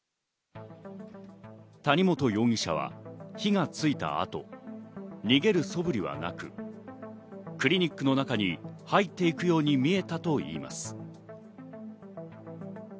谷本容疑者は火がついた後、逃げるそぶりはなく、クリニックの中に入っていくように見えたといいます。